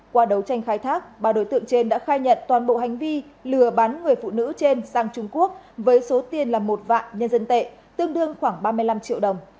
qua đấu tranh khai thác ba đối tượng trên đã khai nhận toàn bộ hành vi lừa bắn người phụ nữ trên sang trung quốc với số tiền là một vạn nhân dân tệ tương đương khoảng ba mươi năm triệu đồng